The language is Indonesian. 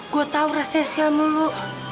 gue tau perasaan siam lu